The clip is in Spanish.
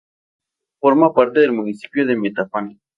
Forma parte del municipio de Metapán.